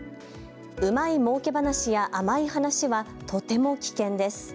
うまいもうけ話や甘い話はとても危険です。